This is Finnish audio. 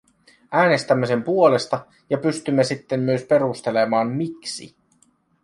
Äänestämme sen puolesta ja pystymme sitten myös perustelemaan, miksi.